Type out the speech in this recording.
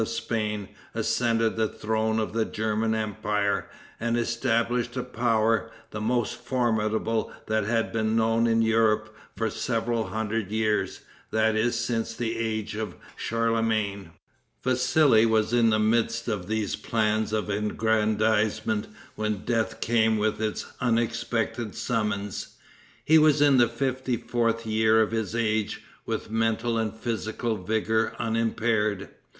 of Spain ascended the throne of the German empire, and established a power, the most formidable that had been known in Europe for seven hundred years, that is, since the age of Charlemagne. Vassili was in the midst of these plans of aggrandizement when death came with its unexpected summons. He was in the fifty fourth year of his age, with mental and physical vigor unimpaired.